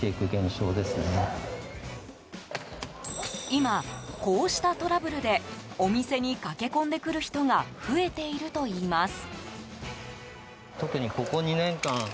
今、こうしたトラブルでお店に駆け込んでくる人が増えているといいます。